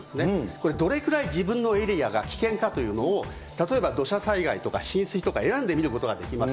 これ、どれぐらい自分のエリアが危険かというのを、例えば土砂災害とか浸水とか選んで見ることができます。